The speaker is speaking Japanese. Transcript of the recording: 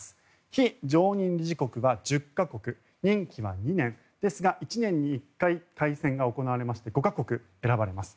非常任理事国は１０か国任期は２年ですが１年に１回、改選が行われまして５か国選ばれます。